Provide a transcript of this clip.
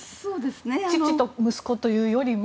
父と息子というよりも。